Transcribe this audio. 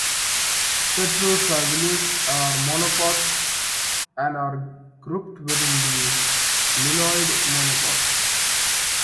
Petrosaviales are monocots, and are grouped within the lilioid monocots.